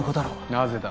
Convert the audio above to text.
なぜだ